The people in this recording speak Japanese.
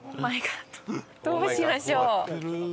滝沢：どうしましょう。